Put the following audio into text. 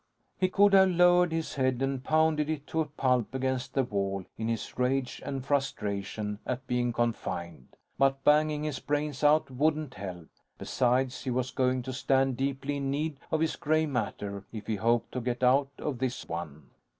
_ He could have lowered his head and pounded it to a pulp against the wall, in his rage and frustration at being confined. But banging his brains out wouldn't help. Besides, he was going to stand deeply in need of his gray matter, if he hoped to get out of this one.